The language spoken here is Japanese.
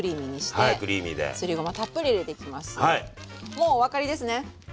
もうお分かりですね？